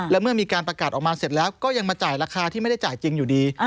และเมื่อมีการประกาศออกมาเสร็จแล้วก็ยังมาจ่ายราคาที่ไม่ได้จ่ายจริงอยู่ดี